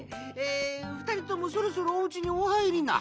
ふたりともそろそろおうちにおはいりな。